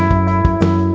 di mana tadi